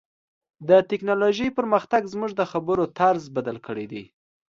د ټکنالوژۍ پرمختګ زموږ د خبرو طرز بدل کړی دی.